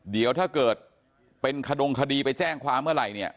เดี๋ยวถ้าเกิดเป็นขดงคดีไปแจ้งความเมื่อไหร่เนี่ย